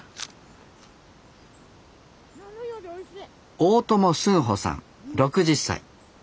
大友スンホさん６０歳。